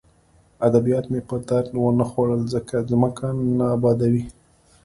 ادبیات مې په درد ونه خوړل ځکه ځمکه نه ابادوي